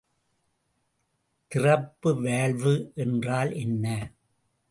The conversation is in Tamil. திறப்பி வால்வு என்றால் என்ன?